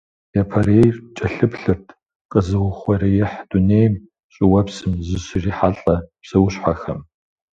Япэрейр кӀэлъыплъырт къэзыухъуреихь дунейм, щӀыуэпсым зыщрихьэлӀэ псэущхьэхэм.